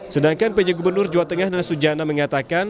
sedangkan pj gubernur jawa tengah dana sujana mengatakan